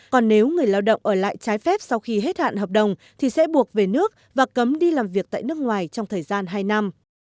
còn nếu người lao động ở lại trái phép sau khi hết hạn hợp đồng thì sẽ buộc về nước và cấm đi làm việc tại nước ngoài trong thời gian hai năm